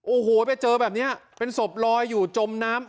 โอ้โหไปเจอแบบนี้เป็นศพลอยอยู่จมน้ำ